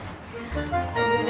aduh daffin makasih